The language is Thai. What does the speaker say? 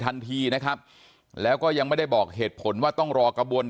ทันทีนะครับแล้วก็ยังไม่ได้บอกเหตุผลว่าต้องรอกระบวน